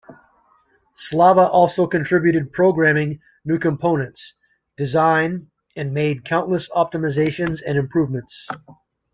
Slava also contributed programming new components, design and made countless optimizations and improvements.